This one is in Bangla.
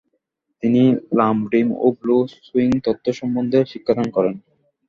তিনি লাম-রিম ও ব্লো-স্ব্যোং তত্ত্ব সম্বন্ধে শিক্ষাদান করেন।